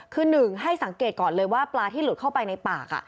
คือหนึ่งให้สังเกตก่อนเลยว่าปลาที่หลุดเข้าไปในปาก